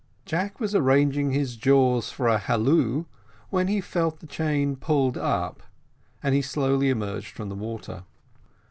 Jack was arranging his jaws for a halloo, when he felt the chain pulled up, and he slowly emerged from the water.